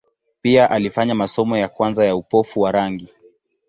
Pia alifanya masomo ya kwanza ya upofu wa rangi.